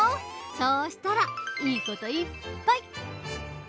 そうしたらいいこといっぱい！